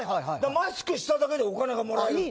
マスクしただけでお金がもらえる。